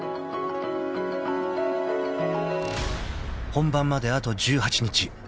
［本番まであと１８日］